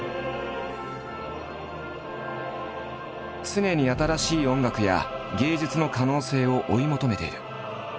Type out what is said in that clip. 常に新しい音楽や芸術の可能性を追い求めている。